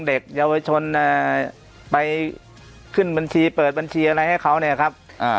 เด็กเยาวชนไปขึ้นบัญชีเปิดบัญชีอะไรให้เขาเนี่ยครับ